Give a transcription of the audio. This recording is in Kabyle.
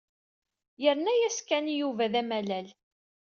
Yerna-as Ken i Yuba d amalal.